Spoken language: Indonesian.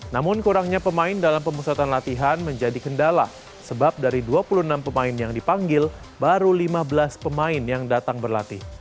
namun kurangnya pemain dalam pemusatan latihan menjadi kendala sebab dari dua puluh enam pemain yang dipanggil baru lima belas pemain yang datang berlatih